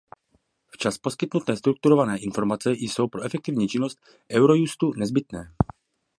Včas poskytnuté strukturované informace jsou pro efektivní činnost Eurojustu nezbytné.